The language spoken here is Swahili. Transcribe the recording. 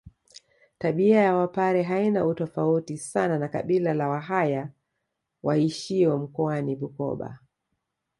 Tabia ya wapare haina utofauti sana na kabila la wahaya waishio mkoani Bukoba